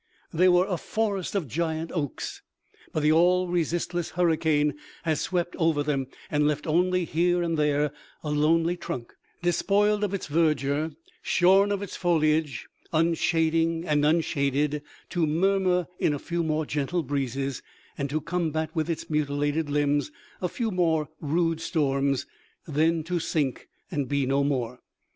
They were a forest of giant oaks ; but the all resistless hurricane has swept over them, and left only here and there a lonely trunk, despoiled of its verdure, shorn of its foliage, unshading and unshaded, to murmur in a few more gentle breezes, and to combat with its mutilated limbs a few more rude storms, then to sink and be no more.